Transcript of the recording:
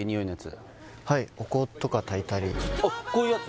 はいこういうやつ？